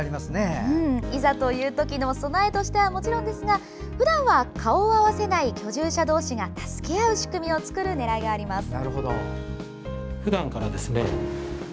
いざという時の備えとしてはもちろんですがふだんは顔を合わせない居住者同士が助け合う仕組みを作る狙いがあります。